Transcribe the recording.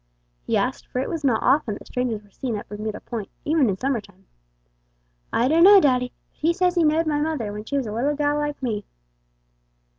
he asked; for it was not often that strangers were seen at Bermuda Point, even in summer time. "I dunno, daddy; but he says he knowed my mother when she was a little gal like me."